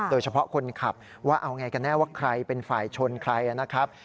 โดยเฉพาะคนขับว่าเอาไงกันแน่ว่าใครเป็นฝ่ายชนใครนะครับ